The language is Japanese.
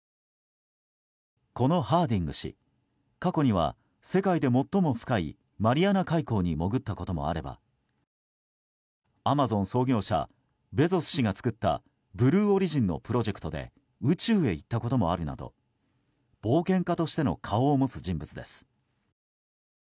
このハーディング氏、過去には世界で最も深いマリアナ海溝に潜ったこともあればアマゾン創業者ベゾス氏が作ったブルーオリジンのプロジェクトで宇宙へ行ったこともあるなど冒険家としての顔を持つ人物です。